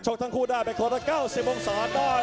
จากทีมีและสับประโยค